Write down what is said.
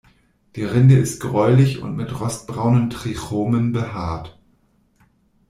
Die Rinde ist gräulich und mit rostbraunen Trichomen behaart.